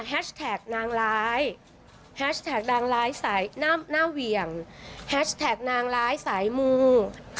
แท็กนางร้ายแฮชแท็กนางร้ายสายหน้าเหวี่ยงแฮชแท็กนางร้ายสายมุง